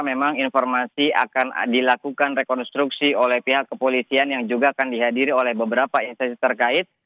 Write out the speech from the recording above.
memang informasi akan dilakukan rekonstruksi oleh pihak kepolisian yang juga akan dihadiri oleh beberapa instansi terkait